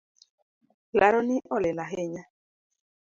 Laroni olil ahinya